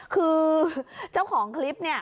คือเจ้าของคลิปเนี่ย